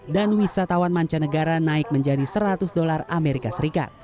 dan wisatawan mancanegara naik menjadi seratus dolar as